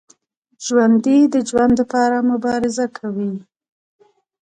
ژوندي د ژوند لپاره مبارزه کوي